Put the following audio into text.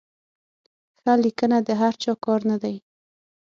ښه لیکنه د هر چا کار نه دی.